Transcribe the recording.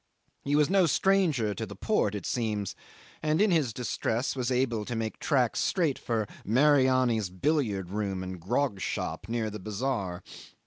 He was no stranger to the port, it seems, and in his distress was able to make tracks straight for Mariani's billiard room and grog shop near the bazaar.